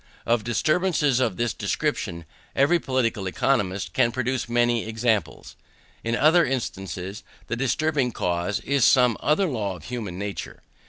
Of disturbances of this description every political economist can produce many examples. In other instances the disturbing cause is some other law of human nature.